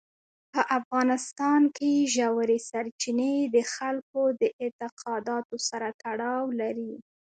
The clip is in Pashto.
په افغانستان کې ژورې سرچینې د خلکو د اعتقاداتو سره تړاو لري.